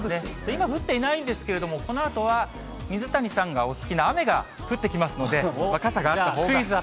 今降っていないんですけれども、このあとは、水谷さんがお好きな雨が降ってきますので、傘があったほうが。